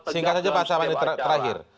singkat saja pak samadi terakhir